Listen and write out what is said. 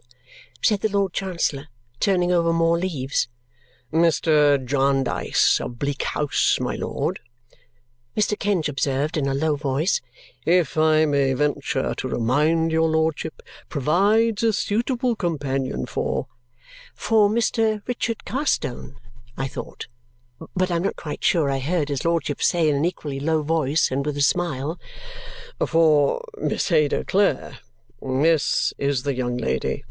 said the Lord Chancellor, turning over more leaves. "Mr. Jarndyce of Bleak House, my lord," Mr. Kenge observed in a low voice, "if I may venture to remind your lordship, provides a suitable companion for " "For Mr. Richard Carstone?" I thought (but I am not quite sure) I heard his lordship say in an equally low voice and with a smile. "For Miss Ada Clare. This is the young lady.